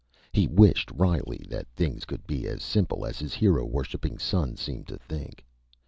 He wished wryly that things could be as simple as his hero worshipping son seemed to think.